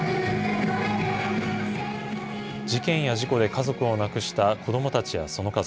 事件や事故で家族を亡くした子どもたちやその家族